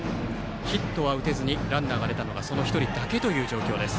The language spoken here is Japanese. ヒットは打てずにランナーが出たのはその１人だけという状況です。